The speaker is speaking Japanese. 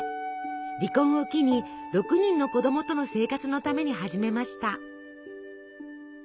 離婚を機に６人の子供との生活のために始めました。